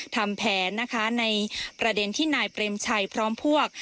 ทำแผนนะคะในประเด็นที่นายเปรมชัยพร้อมพวก